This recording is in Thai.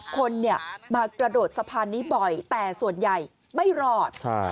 คนมากระโดดสะพานนี้บ่อยแต่ส่วนใหญ่ไม่รอด